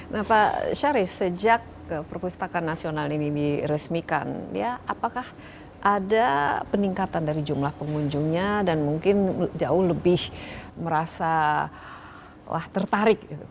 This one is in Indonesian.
nah pak syarif sejak perpustakaan nasional ini diresmikan ya apakah ada peningkatan dari jumlah pengunjungnya dan mungkin jauh lebih merasa tertarik